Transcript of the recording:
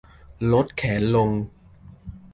ลดแขนลง